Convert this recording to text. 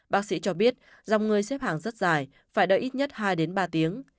bác sĩ cho biết dòng người xếp hàng rất dài phải đợi ít nhất hai đến ba tiếng